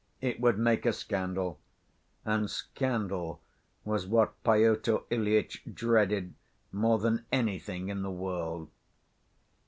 It would make a scandal. And scandal was what Pyotr Ilyitch dreaded more than anything in the world.